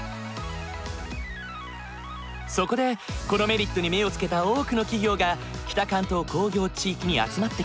そこでこのメリットに目をつけた多くの企業が北関東工業地域に集まってきた。